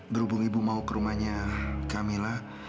berhubung ibu mau ke rumahnya camillah